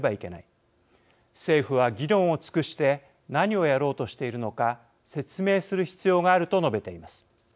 政府は議論を尽くして何をやろうとしているのか説明する必要がある」と述べています。